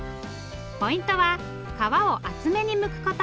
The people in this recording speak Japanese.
ポイントは皮を厚めにむくこと。